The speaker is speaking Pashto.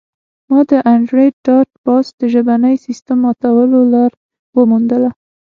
ما د انډریو ډاټ باس د ژبني سیستم ماتولو لار وموندله